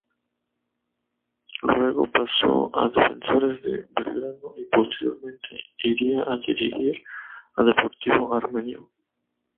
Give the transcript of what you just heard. Luego, pasó a Defensores de Belgrano, y posteriormente iría a dirigir a Deportivo Armenio.